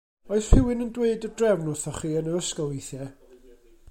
Oes rhywun yn dweud y drefn wrthoch chi yn yr ysgol weithiau?